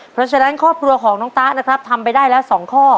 เพราะฉะนั้นครอบครัวของน้องตะนะครับทำไปได้แล้ว๒ข้อ